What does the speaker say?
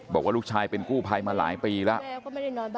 บอกว่าลูกชายเป็นกู้ภัยมาหลายปีแล้ว